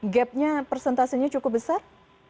gapnya persentasenya cukup besar